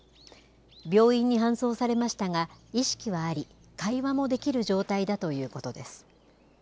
病院に搬送されましたが、意識はあり、会話もできる状態だということです。